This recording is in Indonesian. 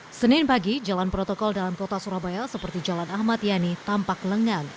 hai senin pagi jalan protokol dalam kota surabaya seperti jalan ahmad yani tampak lengan